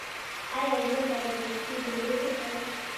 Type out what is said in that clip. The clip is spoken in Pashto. ایا زه باید د شپې ډوډۍ وخورم؟